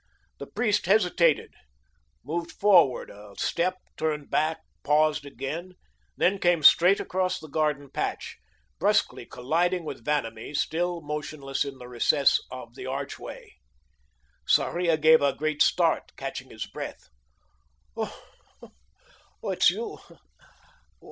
The priest hesitated, moved forward a step, turned back, paused again, then came straight across the garden patch, brusquely colliding with Vanamee, still motionless in the recess of the archway. Sarria gave a great start, catching his breath. "Oh oh, it's you.